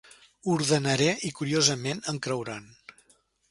Ordenaré i, curiosament, em creuran.